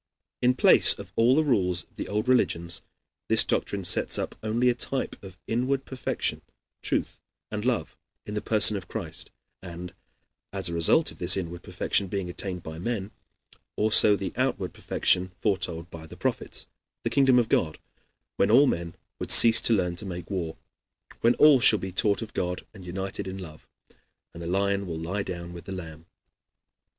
In place of all the rules of the old religions, this doctrine sets up only a type of inward perfection, truth, and love in the person of Christ, and as a result of this inward perfection being attained by men also the outward perfection foretold by the Prophets the kingdom of God, when all men will cease to learn to make war, when all shall be taught of God and united in love, and the lion will lie down with the lamb.